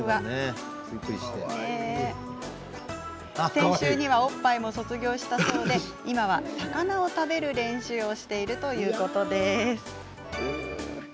先週にはおっぱいも卒業したそうで今は、魚を食べる練習をしているということです。